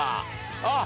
あっ！